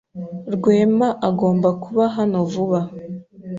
Rwema agomba kuba hano vuba.